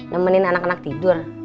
nemenin anak anak tidur